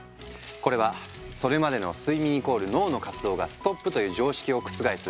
これはそれまでの「睡眠＝脳の活動がストップ」という常識を覆す